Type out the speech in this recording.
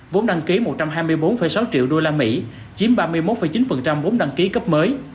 vốn đăng ký một trăm hai mươi bốn sáu triệu đô la mỹ chiếm ba mươi một chín vốn đăng ký cấp mới